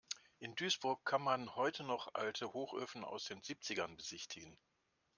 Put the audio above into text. In Duisburg kann man heute noch alte Hochöfen aus den Siebzigern besichtigen.